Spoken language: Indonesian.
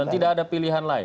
dan tidak ada pilihan lain